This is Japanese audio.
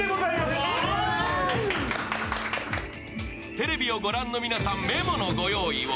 テレビをご覧の皆さん、メモのご用意を。